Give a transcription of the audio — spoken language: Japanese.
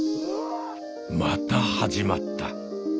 また始まった。